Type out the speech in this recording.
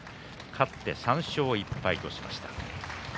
勝って３勝１敗としました。